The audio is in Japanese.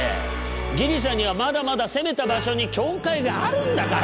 ギリシャにはまだまだ攻めた場所に教会があるんだから！